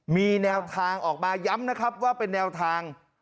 มีแนวทางออกมาย้ำนะครับว่าเป็นแนวทาง